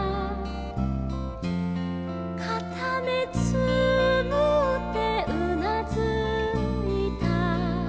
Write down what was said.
「かためつむってうなずいた」